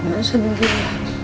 mama sedih ya sa